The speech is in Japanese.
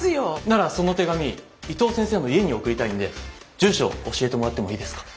ならその手紙伊藤先生の家に送りたいんで住所教えてもらってもいいですか？